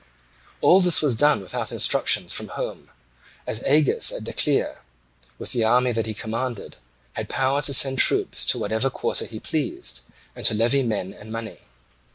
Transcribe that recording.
All this was done without instructions from home, as Agis while at Decelea with the army that he commanded had power to send troops to whatever quarter he pleased, and to levy men and money.